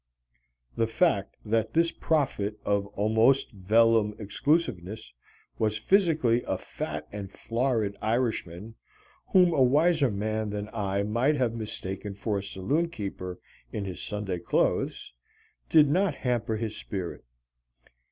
The fact that this prophet of almost vellum exclusiveness was physically a fat and florid Irishman whom a wiser man than I might have mistaken for a saloon keeper in his Sunday clothes, did not hamper his spirit.